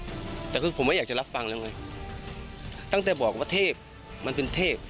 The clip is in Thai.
ตั้งแต่ผมแค่ยังไม่อยากรับมองตั้งแต่บอกว่าเทพมันเป็นเทพ